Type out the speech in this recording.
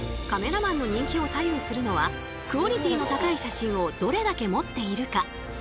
カメラマンの人気を左右するのはクオリティーの高い写真をどれだけ持っているか。